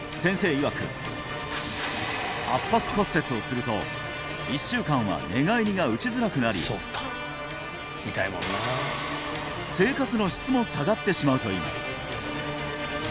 いわく圧迫骨折をすると１週間は寝返りが打ちづらくなり生活の質も下がってしまうといいます